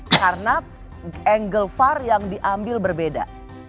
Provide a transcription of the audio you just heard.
karena angle far yang diambil berbeda